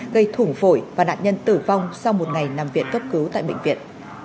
gây thủng phổi và nạn nhân tử vong sau một ngày nằm viện cấp cứu tại bệnh viện